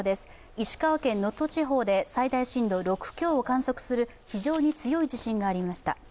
石川県能登地方で最大震度６強を観測する非常に強い地震がありました。